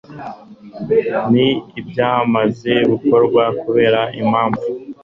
n ibyamaze gukorwa kubera impamvu